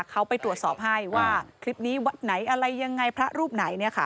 เขาไปตรวจสอบให้ว่าคลิปนี้วัดไหนอะไรยังไงพระรูปไหน